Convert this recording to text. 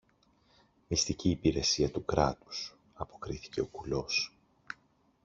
Μυστική υπηρεσία του Κράτους, αποκρίθηκε ο κουλός.